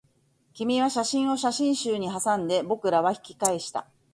君は写真を写真集にはさんで、僕らは引き返した